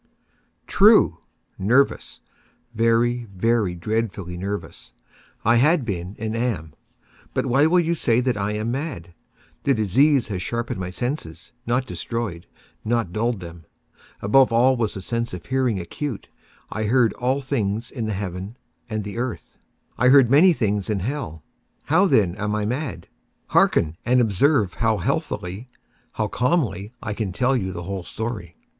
True!—nervous—very, very dreadfully nervous I had been and am; but why will you say that I am mad? The disease had sharpened my senses—not destroyed—not dulled them. Above all was the sense of hearing acute. I heard all things in the heaven and in the earth. I heard many things in hell. How, then, am I mad? Hearken! and observe how healthily—how calmly I can tell you the whole story.